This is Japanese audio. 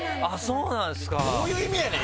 どういう意味やねん！